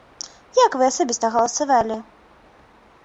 Як вы асабіста галасавалі?